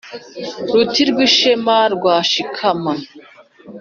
Ruti rw'ishema rwa Shikama